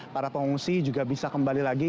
para pengungsi juga bisa kembali lagi